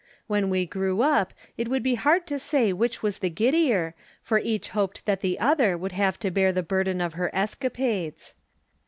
When we grew up, it would be hard to say which was the giddier, for each hoped that the other would have to bear the burden of her escapades.